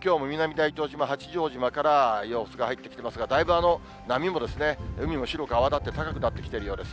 きょうも南大東島、八丈島から様子が入ってきていますが、だいぶ波も海も白く泡立って、高くなってきてるようです。